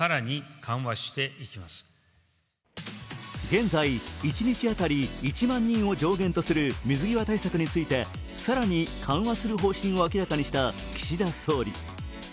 現在、一日当たり１万人を上限とする水際対策について更に緩和する方針を明らかにした岸田総理。